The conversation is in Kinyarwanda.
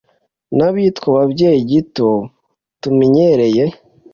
n'abitwa ababyeyi gito tumenyereye